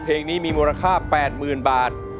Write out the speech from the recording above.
เพลงนี้มีมูลค่า๘๐๐๐บาท